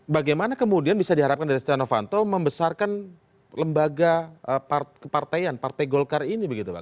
bagaimana kemudian bisa diharapkan dari setia novanto membesarkan lembaga kepartaian partai golkar ini begitu pak